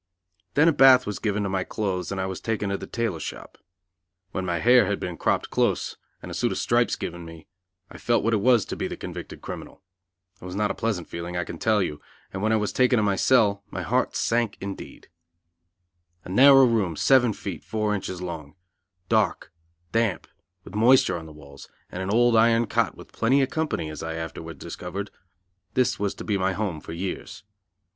Then a bath was given to my clothes and I was taken to the tailor shop. When my hair had been cropped close and a suit of stripes given me I felt what it was to be the convicted criminal. It was not a pleasant feeling, I can tell you, and when I was taken to my cell my heart sank indeed. A narrow room, seven feet, four inches long; dark, damp, with moisture on the walls, and an old iron cot with plenty of company, as I afterwards discovered this was to be my home for years.